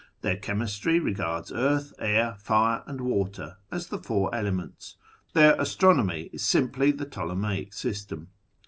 Their chemistry regards earth, air, fire, and water as the four elements : their astronomy is simply the Ptolemaic j system.